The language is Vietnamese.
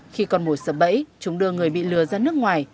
khi còn mồi sợ bẫy chúng đưa người bị lừa ra nước ngoài